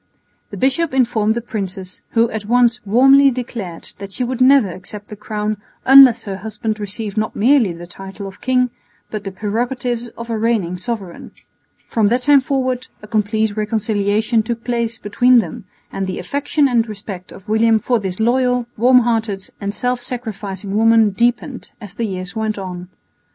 The bishop informed the princess, who at once warmly declared that she would never accept the crown unless her husband received not merely the title of king, but the prerogatives of a reigning sovereign. From that time forward a complete reconciliation took place between them, and the affection and respect of William for this loyal, warm hearted and self sacrificing woman deepened as the years went on.